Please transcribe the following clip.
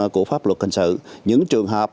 của pháp luật hình sự những trường hợp